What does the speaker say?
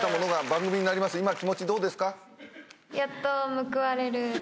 今気持ちどうですか？